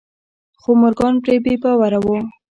خو مورګان پرې بې باوره و.